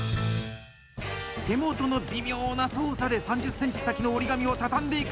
手元の微妙な操作で３０ｃｍ先の折り紙を畳んでいく。